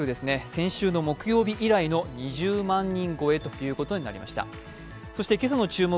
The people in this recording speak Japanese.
先週の木曜日以来の２０万人超えということになりました。